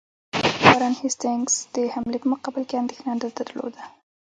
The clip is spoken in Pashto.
وارن هیسټینګز د حملې په مقابل کې اندېښنه نه درلوده.